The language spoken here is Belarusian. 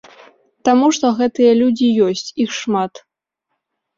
Таму што гэтыя людзі ёсць, іх шмат.